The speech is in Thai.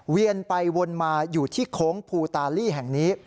เวียนไปวนมาอยู่ที่โค้งภูตาลีแห่งนี้